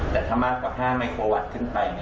แต่ถ้ามากกว่า๕ไมโครวัตต์ขึ้นไป